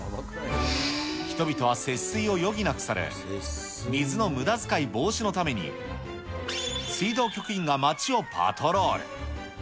人々は節水を余儀なくされ、水のむだづかい防止のために、水道局員が街をパトロール。